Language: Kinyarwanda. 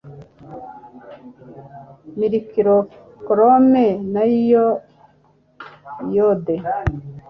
mercurochrome na iyode